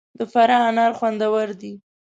د فراه انار خوندور دي